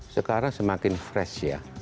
sekarang semakin fresh ya